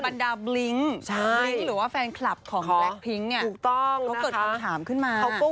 บรรดาบลิงค์หรือว่าแฟนคลับของแบล็คพิงค์เนี่ยก็เกิดคำถามขึ้นมาใช่ถูกต้องนะคะ